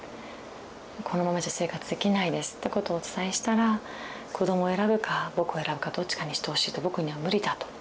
「このままじゃ生活できないです」ってことをお伝えしたら「子どもを選ぶか僕を選ぶかどっちかにしてほしい僕には無理だ」と。